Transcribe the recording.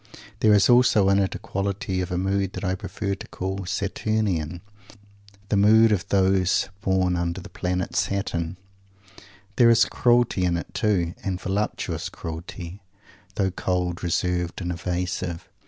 There is also in it a quality of mood that I prefer to call Saturnian the mood of those born under the planet Saturn. There is cruelty in it, too, and voluptuous cruelty, though cold, reserved, and evasive.